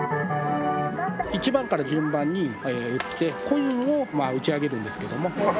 １番から順番に打ってコインを打ち上げるんですけども。